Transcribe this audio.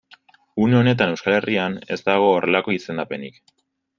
Une honetan Euskal Herrian ez dago horrelako izendapenik.